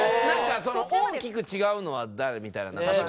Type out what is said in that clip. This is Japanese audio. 大きく違うのは誰みたいな。